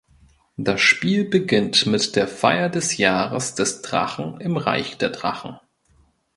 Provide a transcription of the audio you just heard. Das Spiel beginnt mit der Feier des Jahres des Drachen im Reich der Drachen.